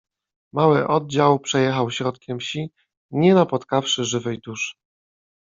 Mały oddział przejechał środkiem wsi, nie napotkawszy żywej duszy.